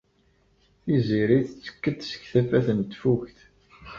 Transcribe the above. Tiziri tettek-d seg tafat n Tafukt.